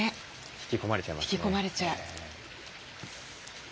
引き込まれちゃう。